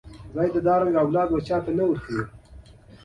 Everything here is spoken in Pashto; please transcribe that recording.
شرمېدلې! د یوګړي نرينه او ښځينه مخاطب لپاره.